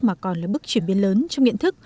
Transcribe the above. mà còn là bước chuyển biến lớn trong nhận thức